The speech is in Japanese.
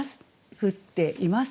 「降っています」。